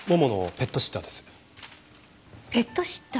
ペットシッター？